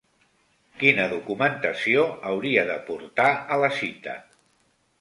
Quina documentació hauria de portar a la cita?